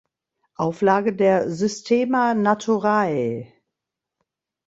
Auflage der "Systema Naturae".